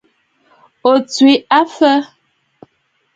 O tswe aa fa?